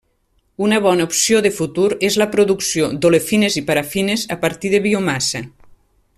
Una bona opció de futur és la producció d'olefines i parafines a partir de biomassa.